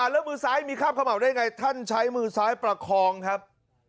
แล้วมือซ้ายมีคราบขม่าได้ไงท่านใช้มือซ้ายประคองครับ